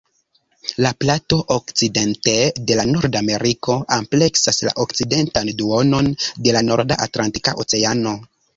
La plato okcidente de Nordameriko ampleksas la okcidentan duonon de la norda Atlantika Oceano.